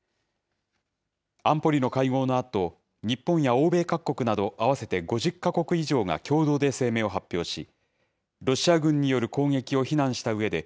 安保理の会合のあと、日本や欧米各国など合わせて５０か国以上が共同で声明を発表し、ロシア軍による攻撃を非難したうえで、